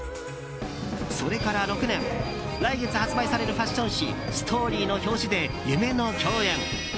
それから６年来月発売されるファッション誌「ＳＴＯＲＹ」の表紙で夢の共演。